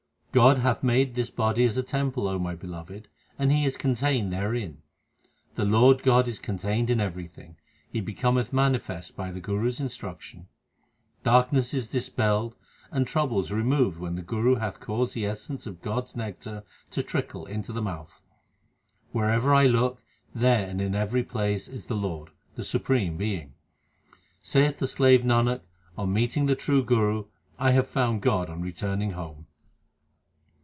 God hath made this body as a temple, my beloved, and He is contained therein. The Lord God is contained in everything ; He becometh manifest by the Guru s instruction. Darkness is dispelled, and troubles removed when the Guru hath caused the essence of God s nectar to trickle into the mouth. Wherever I look, there and in every place is the Lord, the Supreme Being. Saith the slave Nanak, on meeting the true Guru, I have found God on returning home.